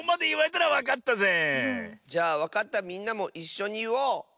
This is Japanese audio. じゃあわかったみんなもいっしょにいおう！